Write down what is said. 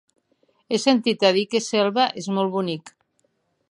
He sentit a dir que Selva és molt bonic.